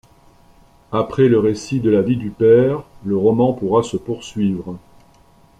Après le récit de la vie du père, le roman pourra se poursuivre.